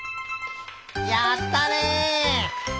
やったね！